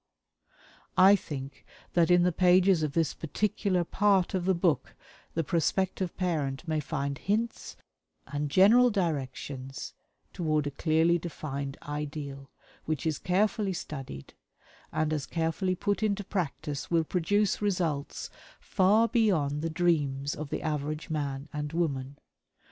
I think that in the pages of this particular part of the book the prospective parent may find hints and general directions toward a clearly defined ideal, which is carefully studied, and as carefully put into practice will produce results far beyond the dreams of the average man and woman.